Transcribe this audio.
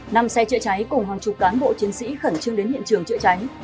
năm xe trị cháy cùng hàng chục cán bộ chiến sĩ khẩn trương đến hiện trường trị cháy